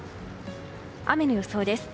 雨の予想です。